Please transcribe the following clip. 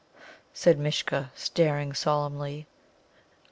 said Mishcha, staring solemnly.